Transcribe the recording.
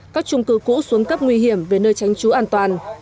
các trung cư cũ xuống cấp nguy hiểm về nơi tránh trú an toàn